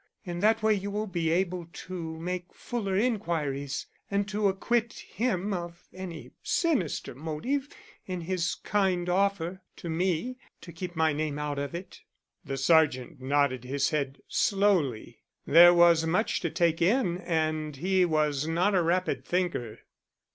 In that way you will be able to make fuller inquiries, and to acquit him of any sinister motive in his kind offer to me to keep my name out of it." The sergeant nodded his head slowly. There was much to take in, and he was not a rapid thinker.